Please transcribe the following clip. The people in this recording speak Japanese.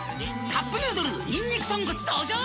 「カップヌードルにんにく豚骨」登場！